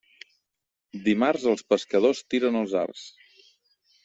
Dimarts, els pescadors tiren els arts.